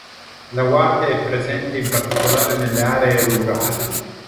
La Guardia è presente in particolare nelle aree rurali.